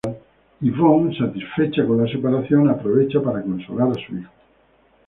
Yvonne, satisfecha con la separación, aprovecha para consolar a su hijo.